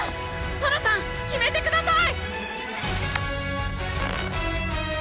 ソラさん決めてください！